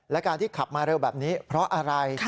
และการที่ขับมาเร็วแบบนี้เพราะอะไร